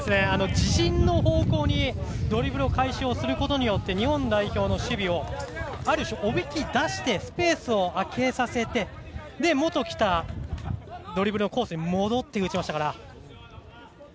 自陣の方向にドリブルを開始することによって日本代表の守備をある種おびき出してスペースを空けさせて元きたドリブルのコースに戻って打ちましたから。